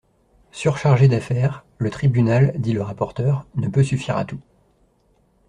Surchargé d'affaires, le tribunal, dit le rapporteur, ne peut suffire à tout.